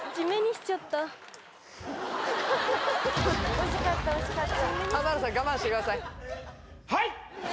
惜しかった惜しかった浜田さん！